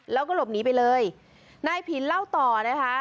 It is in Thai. แล้วก็หลบหนีไปเลยนายผินเล่าต่อนะคะ